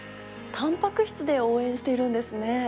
タンパク質で応援しているんですね。